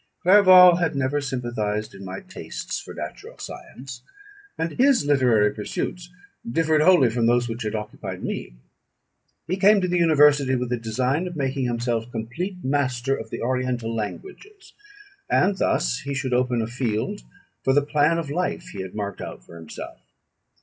Clerval had never sympathised in my tastes for natural science; and his literary pursuits differed wholly from those which had occupied me. He came to the university with the design of making himself complete master of the oriental languages, as thus he should open a field for the plan of life he had marked out for himself.